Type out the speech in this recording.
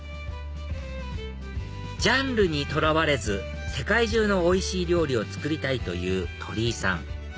ジャンルにとらわれず世界中のおいしい料理を作りたいという鳥居さん